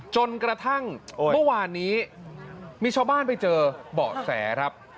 จนกระทั่งเมื่อวานนี้มีชาวบ้านไปเจอเบาะแสครับ